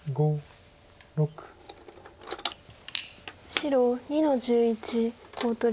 白２の十一コウ取り。